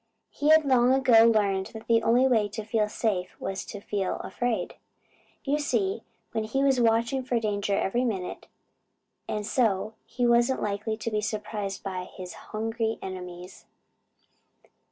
He had long ago learned that the only way to feel safe was to feel afraid. You see, then he was watching for danger every minute, and so he wasn't likely to be surprised by his hungry enemies.